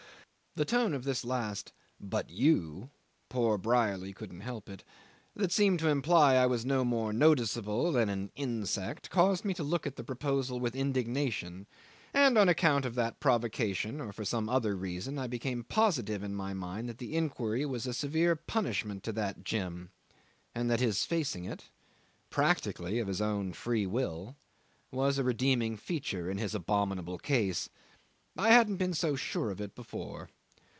The tone of this last "but you" (poor Brierly couldn't help it), that seemed to imply I was no more noticeable than an insect, caused me to look at the proposal with indignation, and on account of that provocation, or for some other reason, I became positive in my mind that the inquiry was a severe punishment to that Jim, and that his facing it practically of his own free will was a redeeming feature in his abominable case. I hadn't been so sure of it before.